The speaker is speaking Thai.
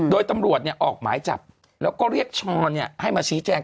โดยตำรวจออกหมายจับแล้วก็เรียกช้อนให้มาชี้แจง